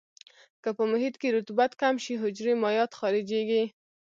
که په محیط کې رطوبت کم شي حجرې مایعات خارجيږي.